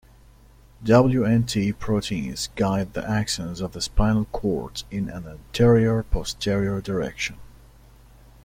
Wnt proteins guide the axons of the spinal cord in an anterior-posterior direction.